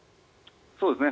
そうですね。